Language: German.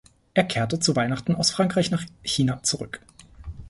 Er kehrte zu Weihnachten aus Frankreich nach China zurück.